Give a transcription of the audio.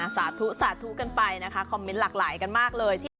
สาธุสาธุกันไปนะคะคอมเมนต์หลากหลายกันมากเลย